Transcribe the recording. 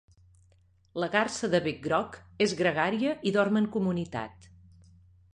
La garsa de bec groc és gregària i dorm en comunitat.